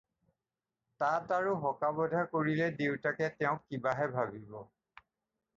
তাত আৰু হকা-বধা কৰিলে দেউতাকে তেওঁক কিবাহে ভাবিব।